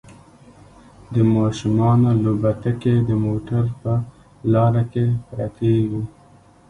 د ماشومانو لوبتکې د موټر په لاره کې پرتې وي